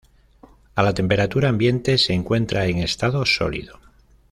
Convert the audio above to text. A la temperatura ambiente, se encuentra en estado sólido.